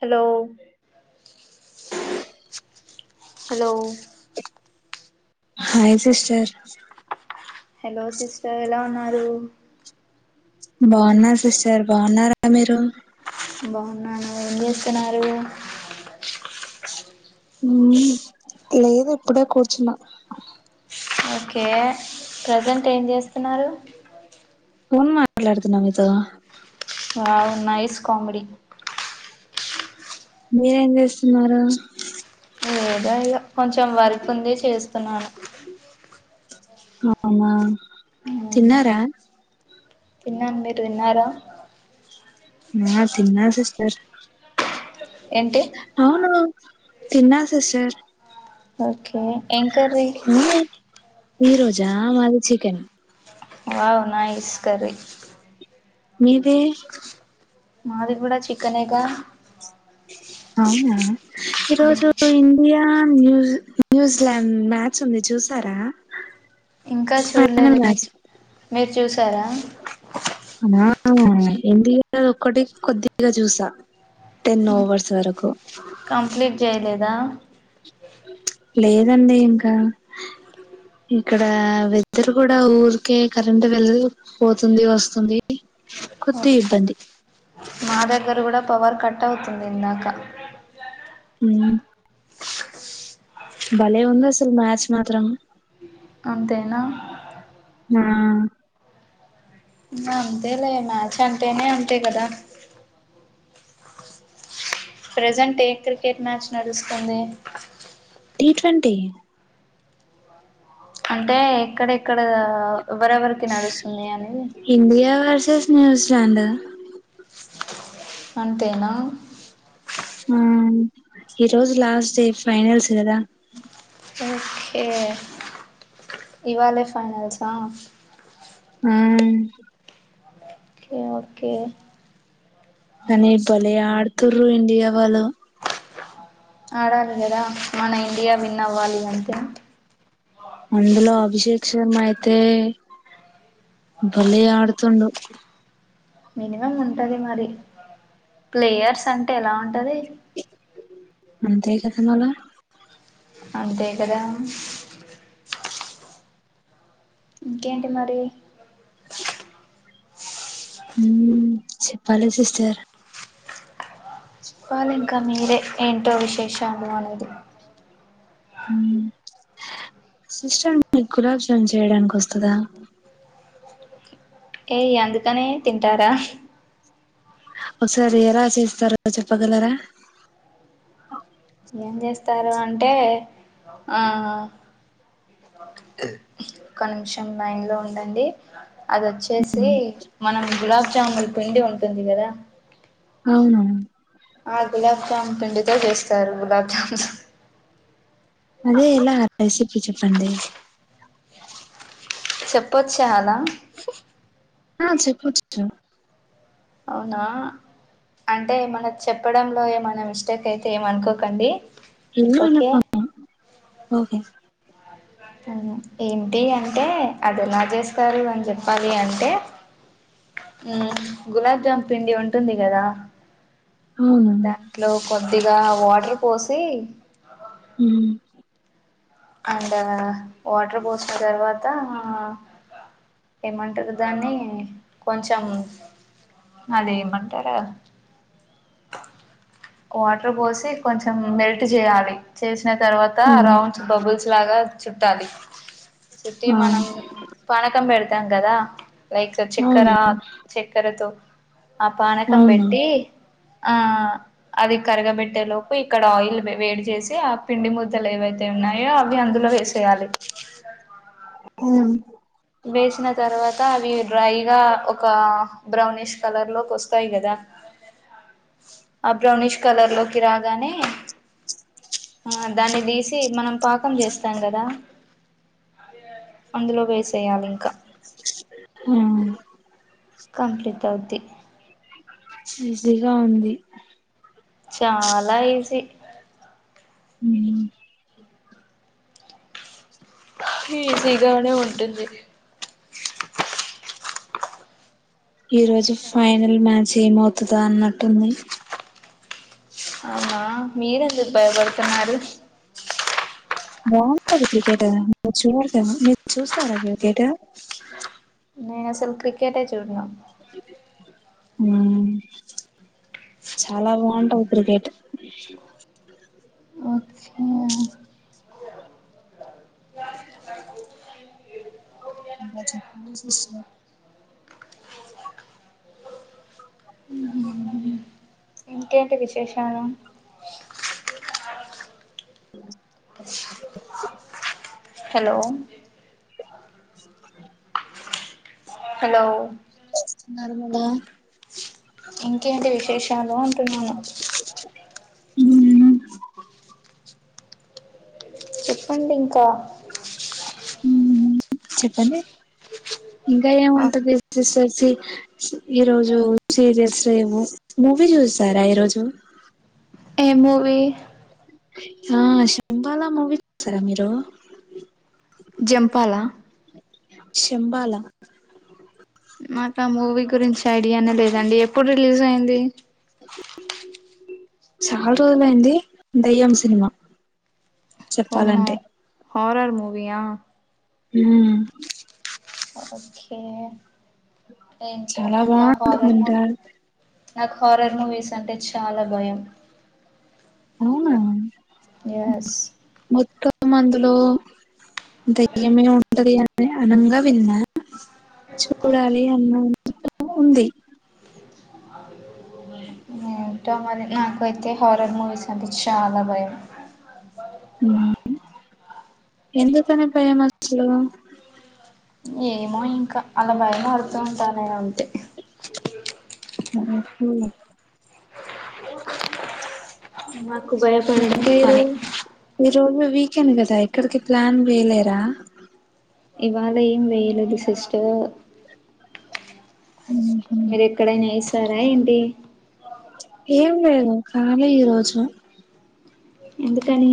Hello hello hi sisters hello sister ఎలా ఉన్నారు బాగున్నార్ సిస్టర్ బాగున్నారా మీరు బాగున్నాను ఏం జేస్తున్నారు ఉమ్ లేదు ఇప్పుడే కూర్చున్న ఓకె ప్రజెంట్ ఏం చేస్తున్నారు ఫోన్ మాట్లాడుతున్నా మీతో వావ్ నైస్ కామెడి మీరేం చేస్తున్నారు ఏదో ఇలా కొంచెం వర్క్ ఉంది చేస్తున్నాను అ [unintelligible] తిన్నార తిన్నాను మీరు తిన్నారా ఆ తిన్న సిస్టర్ ఏంటి అవును తిన్నా సిస్టర్ ఓకే ఎం కర్రీ అవునే ఈ రోజా మాది చికెన్ వావ్ నైస్ కర్రీ మీదే మాది కూడా చికెనేగా అవునా ఈ ఉ రోజు ఇండియా ఆ న్యూ న్యూజిలాండ్ మ్యాచ్ ఉంది చూసారా ఇంకా ఫైనల్ చూడలేదండి మ్యాచ్ మేమ్ మీరు చూసారా మా ఆ ఉమ్ ఇండియాది ఒకటి కొద్దిగా చూసా టెన్ ఓవర్స్ వరకు కంప్లిట్ చేయలేదా లేదండి ఇంకా ఇక్కడ వెదర్ కూడా ఊరికే కరెంట్ వేళలు పోతుంది వస్తుంది కొద్ది ఓకే ఇబ్బంది మా దగ్గర కుడా పవర్ కట్ అవుతుంది ఇందాక ఉమ్ భలే ఉందెసలు మ్యాచ్ మాత్రం అంతేనా ఆ అంతేలే మ్యాచ్ అంటేనె అంతే కదా ప్రెజెంట్ ఏ క్రికెట్ మ్యాచ్ నడుస్తుంది టీ ట్వంటీ అంటే ఎక్కడెక్కడా ఎవరెవరికి నడుస్తుంది అనేది న్యూజ్లాండ్ అంతేనా ఆ ఈ రోజు లాస్ట్ డే ఫైనల్స్ గదా ఓకే ఇవాలే ఫైనల్సా ఆ ఓకే ఓకే కానీ భలే ఆడుత్రు ఇండియా వాళ్ళు ఆడాలి కదా మన ఇండియా విన్ అవ్వాలి అంటె. అందులో అభిషేక్ శర్మ అయితే భలే ఆడుతుండు మినిమమ్ ఉంటది మరి ప్లేయర్స్ అంటె ఎలా ఉంటది. అంతే కదా మల్ల అంతే కదా ఇంకేంటి మరి ఉ చెప్పాలి సిస్టర్ చెప్పాలి ఇంకా మీరే ఏంటో విశేషలు అనేది ఉ సిస్టర్ మీకు గులాబ్ జామ్ చేయడానికి వస్తదా. ఏయ్ అందుకనే తింటారా ఒసారి ఎలా చేస్తారో చెప్పగలరా ఎమ్ చేస్తారు అంటే ఆ ఒక నిమిషం లైన్లో ఉండండి అదొచ్చేసి మనం గులాబ్జామున్ పిండి ఉంటుంది కదా. అవును ఆ గులాబ్ జామ్ పిండితో చేస్తారు గులాబ్ జామ్సు. అదే ఎలా రెసిప్ చెప్పండి చెప్పొచ్చ అలా ఆ చెప్పొచ్చు అవునా అంటే మన చెప్పడంలో ఏమైనా మిస్టేక్ అయితే ఏమనుకోకండి. ఓకే [inaudible] ఓకే అవును ఏంటి అంటే అది ఎలా చేస్తారు అని చెప్పాలి అంటే. ఉ గులాబ్జామ్ పిండి ఉంటుంది కదా అవును దాంట్లో కొద్దిగా వాటర్ పోసి ఉ అండ్ వాటర్ పోసిన తర్వాతా ఏమంటారు దాన్ని కొంచెం అదేమంటారు వాటర్ పోసి కొంచెం మెల్ట్ చేయాలి చేస్ దాని తర్వాత మ్మ్ రౌండ్స్ బబుల్స్ లాగా చుట్టాలి. చుట్టి ఆ మనం పానకం పెడతాం కదా లైక్ చక్కెర అవును చక్కెరతో ఆ పానకం అవును పెట్టి ఆ అది కరగబెట్టేలోపు ఇక్కడ ఆయిల్ వేడి చేసి ఆ పిండి ముద్దలు ఏవై దే ఉన్నాయో అవి అందులో వేసేయాలి ఉ వేసిన తర్వాత అవి డ్రైగా ఒక బ్రౌనిష్ కలర్ లోకి వస్త్ తాయి కదా ఆ బ్రౌనిష్ కలర్ లోకి రాగానే ఆ దాన్ని తీసి మనం పాకం చేస్తాం కదా అందులో వేసేయాలి ఇంకా ఉ కంప్లీట్ అవుద్ది ఈజీగా ఉంది చాలా ఈజీ ఉ ఈజీగానే ఉంటుంది ఈ రోజు ఫైనల్ మ్యాచ్ ఏమవుతుదా అన్నట్టుంది అవునా మీరు ఎందుకు భయపడుతున్నారు బాగుంటది క్రికెట్ మీరు చూడరెమో మీరు చూస్తారా క్రికెటు నేను క్రికెటే చూడను ఉ చాలా బాగుంటది క్రికెట్ వచ్చే ఇంకా చెప్పండి సిస్టర్ ఇంకేంటి విశేషాలు హలో హలో నర్మదా ఇంకేంటి విశేషాలు అంటున్నాను ఉ చెప్పండి ఇంకా చెప్పండి ఇంకా ఏం ఉంటది ఈరోోజు సీరియల్స్ ఏమ మూవీ చూస్తారా ఈరోోజు ఏమవ ఆ శంభాల మూవీ సారా మీరు జంపాాల శంబల మాకు మూవీ గురించి ఐడియానే లేదండి ఎప్పుడు రిలీజ్ అయింది చాలా రోజుల అయింది దయ్యం సినిమా ఓమ్మో చెప్పాలంటే హారర్ మూవీ హ ఓకే చాలా బాగుంటుందంట ఏంటన్నార నాకు హారర్ మూవీస్ అంటే చాలా భయం అవునా ఎస్ మొత్తం అందులో దయ్యమే ఉంటది అ అనంగా విన్నా చూడాలి అన్న ఉంది ఏ టో మని నాకైతే హారర్ మూవీస్ అంటే చాలా భయం ఎందుకు అని భయం అసలు ఏమో ఇంకా అలా భయడుతుూ ఉంటాన ఉంటే అ మాకు భయపడడం ఇంకా ఈ రో పని ఈ రోజు వీకెండ్ కదా ఇక్కడికి ప్లాన్ వేయలేరా ఇవాళం వేలుది సిస్టర్ మీరు ఎక్కడైనా వస్తారా ఏంటి ఏం లేదు కాలి ఈరోోజు ఎందుకని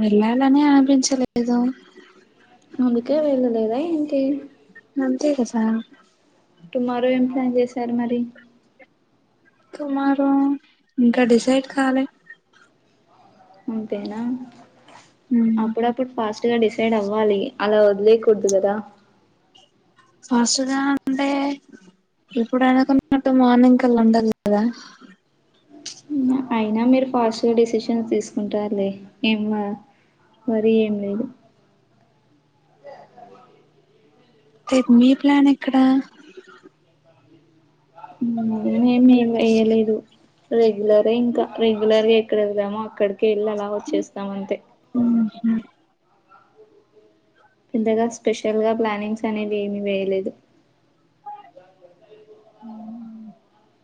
వెళ్లాలని అనిపించలేదు అందుకే వెళ్ళలేదా ఏంటి నంత క సా టుమారో ఏం ప్లాన్ చేశారు మరి కుమారు ఇంకా డిసైడ్ కాలి అంతేనా మ్మ్ అప్పుడు అప్పుడు పాస్ డిసైడ్ అవ్వాలి అలా వదిలేకూడదు కదా ఫాస్తుదనంటే ఇప్పుడు అనుకున్నట్టు మార్నింగ్కలా ఉండాల కదా అయినా మీరు ఫాస్ట్గా డిసిషన్ తీసుకుంటారు ఏం మరి ఏం లేదు రేపు మి ప్లాన్ ఎక్కడ నమి ఎలే ఇదు రెగ్యులర్ ఇంకా రెగ్యులర్గా ఎక్కడ వెళ్దామో అక్కడిక వెళ్ళి అలా వచ్చేస్తామ అంతే హ ఇంతగా స్పెషల్ గా ప్లానింగ్స్ అనేది ఏమి వేయలేదు అ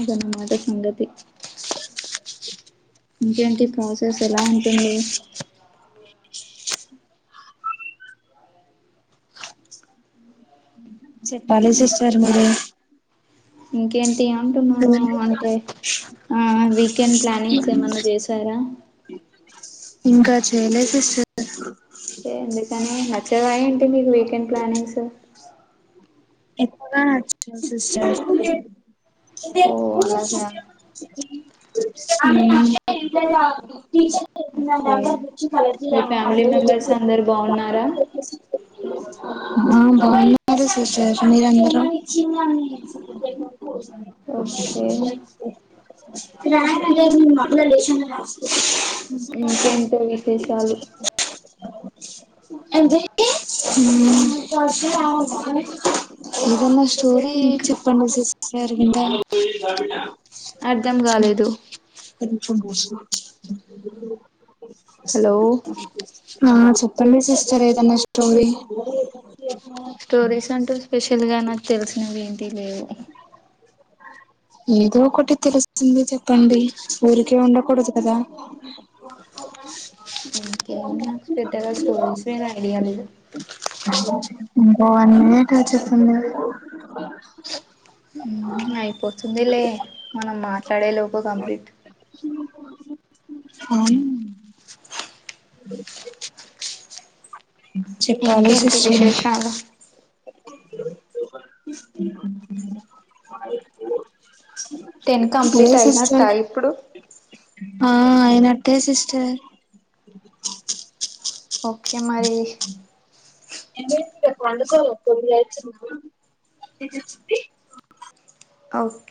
అదన్న మాట సంగతి ఇంకేంటి ప్రాసెస్ ఎలా ఉంటుంది చెప్పాలి సిస్టర్ మీరు ఇంకేంటి అది అంటున్నాను అంటే ఆ వీకెండ్ ప్లానింగ్స్ ఏమన్నా చేసారా ఇంకా చేయలేసిస్టర్ ఎందుకని నచ్చగాయంంటి మీకు వీకెండ్ ప్లానింగ్స్ ఎక్క అచ్చ సిస్టర్ ఓ ఆ అలాగా బాగున్నారు ఓకే మీ ఫ్యామిలీ మెంబర్స్ అందరు బాగున్నారా ఆ బాగున్నారు సిస్టర్ మీరుందరూ ఓకే దేశాంలో రాష్ట ఇంకేంటివిశేషాలు ఎంత ఇధి ఏమన్నా స్టోరీ ఇంకా చెప్పండి సిస్టర్. విటను అర్ధం కాలేదు కొషస్తు హలో ఆ చెప్పండి సిస్టర్ ఏదన్నా స్టోరీ స్టోరీస్ అంటూ స్పెషల్ గా నాకు తెలిసినవి ఏంటి లేవు ఏదో ఒకటి తెలుసింది చెప్పండి ఊరికే ఉండకూడదు కదా కే నాకు పెద్దగా చో మీ ఐడియాాల ఇకా అన్నట వచ్చస్తున్నా అయిపోతుంది లే మనం మాట్లాడేలోపు కంప్లీట్ అవు అ చెప్పాలి ఇంకేంటి సిస్టమ్ విశేషాలు టెన్ అదే కంప్లీట్ అయినట్ట సిస్టర్ ఇప్పుడు ఆ అయినక్కే సిస్టర్ ఓకే మరి ఇప్పుడు పండుకోళ్ళ తొమ్మిది వేలండి మరి ఆ ఓకే